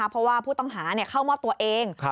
เพราะว่าผู้ต้องหาเข้ามอบตัวเอง